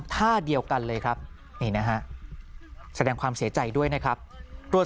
ท่าเดียวกันเลยครับนี่นะฮะแสดงความเสียใจด้วยนะครับรวด